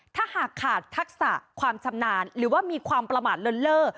ถ้าหากขาดทักษะความชำนาญหรือว่ามีความประมาทเลินเล่อ